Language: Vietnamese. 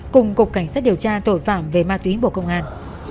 cùng cục cảnh sát điều tra tội phạm về ma túy bộ công an